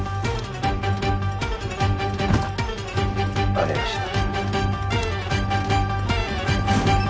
ありました。